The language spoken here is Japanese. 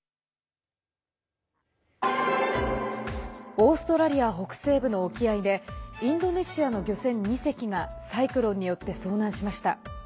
オーストラリア北西部の沖合でインドネシアの漁船２隻がサイクロンによって遭難しました。